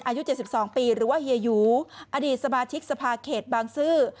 อายุ๗๒ปีหรือว่าเฮียอยูอดีตสขเขตบางซื้อ